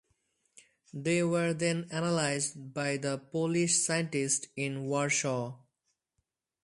They were then analyzed by the Polish scientists in Warsaw.